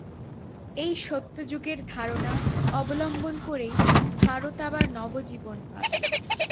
এই সত্যযুগের ধারণা অবলম্বন করেই ভারত আবার নবজীবন পাবে।